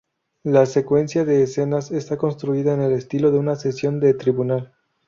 La secuencia de escenas está construida en el estilo de una sesión de tribunal.